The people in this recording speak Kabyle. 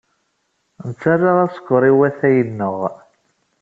Nettarra askeṛ i watay-nneɣ.